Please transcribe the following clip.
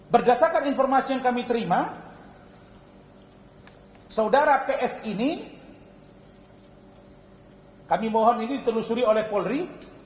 berdasarkan informasi yang kami terima saudara ps ini kami mohon ini ditelusuri oleh polri